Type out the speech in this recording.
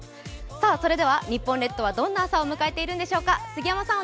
それでは日本列島はどんな朝を迎えているんでしょうか。